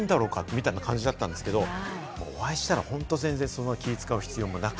みたいな感じだったんですけれども、お会いしたら本当に全然気を使う必要もなく。